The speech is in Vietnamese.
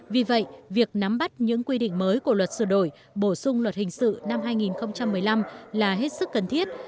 vì vậy việc nắm bắt những quy định mới của luật sửa đổi bổ sung luật hình sự năm hai nghìn một mươi năm là hết sức cần thiết